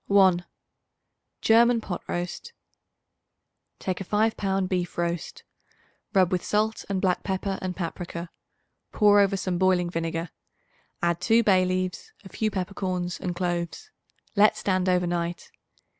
_ 1. German Pot Roast. Take a 5 pound beef roast. Rub with salt and black pepper and paprica; pour over some boiling vinegar; add 2 bay leaves, a few peppercorns and cloves. Let stand over night.